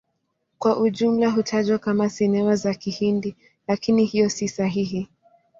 Kwa ujumla hutajwa kama Sinema za Kihindi, lakini hiyo si sahihi.